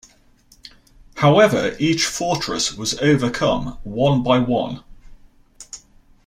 However, each fortress was overcome one by one.